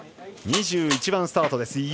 ２１番スタートです。